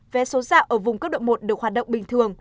vé số dạo ở vùng cấp độ một được hoạt động bình thường